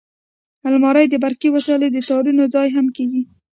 الماري د برقي وسایلو د تارونو ځای هم کېږي